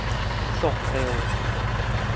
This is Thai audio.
ส่งเร็ว